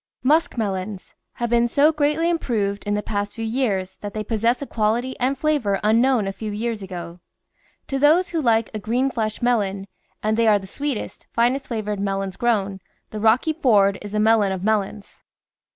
MUSK MELONS Have been so greatly improved in the past few years that they possess a quality and flavour un known a few years ago. To those who like a green fleshed melon — and they are the sweetest, finest flavoured melons grown — the Rocky Ford is the melon of melons.